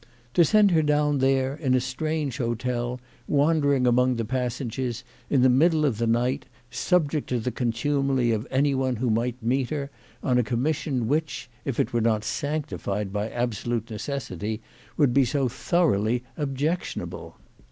To send her down there, in a strange hotel, wandering among the pas sages, in the middle of the night, subject to the con tumely of anyone who might meet her, on a commission which, if it were not sanctified by absolute necessity, would be so thoroughly objectionable